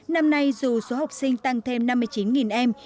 năm nay dù số học sinh tăng thêm năm mươi chín em